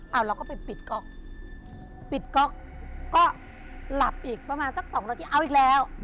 เอาเราก็ไปปิดก๊อกปิดก๊อกก็หลับอีกประมาณสักสองนาทีเอาอีกแล้ว